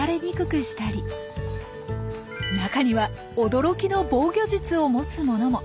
中には驚きの防御術を持つ者も。